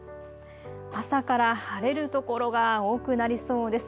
朝から晴れる所が多くなりそうです。